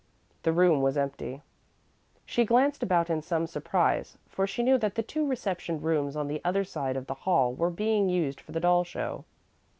The room was empty. She glanced about in some surprise, for she knew that the two reception rooms on the other side of the hall were being used for the doll show.